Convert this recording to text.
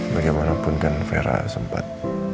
bagaimanapun kan vera sempat